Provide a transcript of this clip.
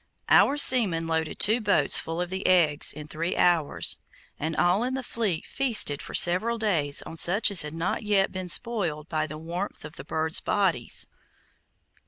Our seamen loaded two boats full of the eggs in three hours, and all in the fleet feasted for several days on such as had not yet been spoiled by the warmth of the birds' bodies.